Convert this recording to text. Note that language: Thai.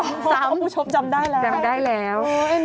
โพธิพูชมจำได้แล้วคะเอ็นดูจำได้แล้ว